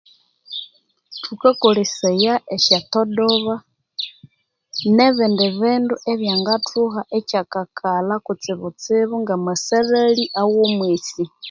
Thukakolesaya esya todoba ne bindi bindu ebya ngathuha ekyakakalha kutsibu tsibu nga masalhali aghomwesi